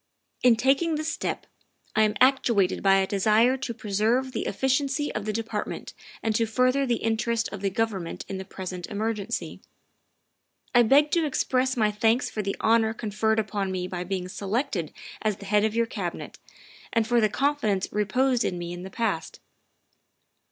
" In taking this step I am actuated by a desire to preserve the efficiency of the Department and to further the interests of the Government in the present emergency. 17 258 THE WIFE OF " I beg to express my thanks for the honor conferred upon me by being selected as the head of your Cabinet and for the con fidence reposed in me in the past.